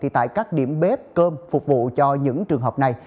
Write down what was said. tại các điểm bếp cơm phục vụ cho những trường hợp này